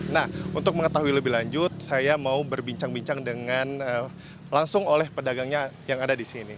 nah untuk mengetahui lebih lanjut saya mau berbincang bincang dengan langsung oleh pedagangnya yang ada di sini